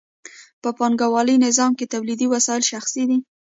په پانګوالي نظام کې تولیدي وسایل شخصي دي